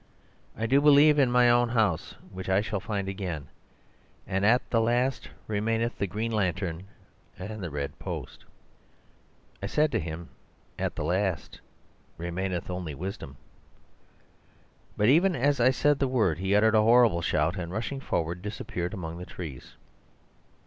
I do believe in my own house, which I shall find again. And at the last remaineth the green lantern and the red post.' "I said to him: 'At the last remaineth only wisdom.' "But even as I said the word he uttered a horrible shout, and rushing forward disappeared among the trees.